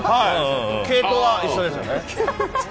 系統は一緒ですよね。